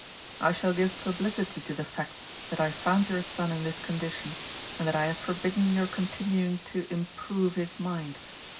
I shall give publicity to the facts that I found your son in this condition and that I have forbidden your continuing to 'improve his mind.'